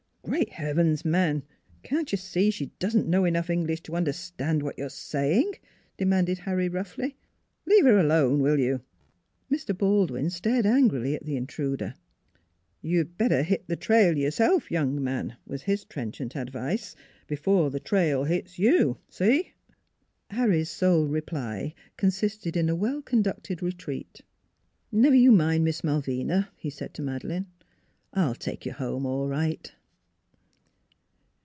" Great heavens, man ! Can't you see she doesn't know enough English to understand what you're saying?" demanded Harry roughly. " Leave her alone, will you? " Mr. Baldwin stared angrily at the intruder. ' You'd better hit the trail yourself, young man," was his trenchant advice; " before the trail hits you see? " Harry's sole reply consisted in a well conducted retreat. " Never you mind Miss Malvina," he said to Madeleine, " I'll take you home all right."